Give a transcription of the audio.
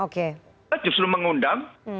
kita justru mengundang